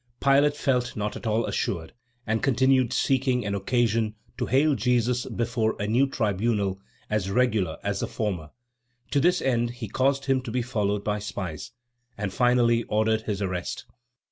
Pilate felt not at all assured, and continued seeking an occasion to hale Jesus before a new tribunal, as regular as the former. To this end he caused him to be followed by spies, and finally ordered his arrest.